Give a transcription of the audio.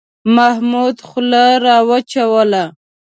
محمود خوله را وچوله.